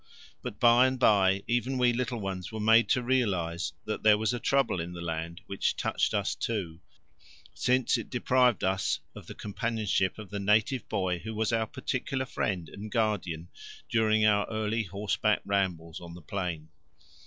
But by and by even we little ones were made to realize that there was a trouble in the land which touched us too, since it deprived us of the companionship of the native boy who was our particular friend and guardian during our early horseback rambles on the plain.